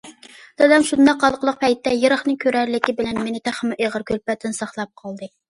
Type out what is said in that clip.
دادام شۇنداق ھالقىلىق پەيتتە يىراقنى كۆرەرلىكى بىلەن مېنى تېخىمۇ ئېغىر كۈلپەتتىن ساقلاپ قالدى.